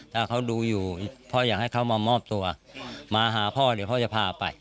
ถ้าเขาดูอยู่พ่ออยากให้เขามามอบตัวมาหาพ่อเดี๋ยวพ่อจะพาไป